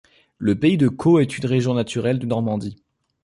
Le pays de Caux est une région naturelle de Normandie.